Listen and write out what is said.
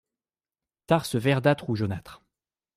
Tarses verdâtres ou jaunâtres.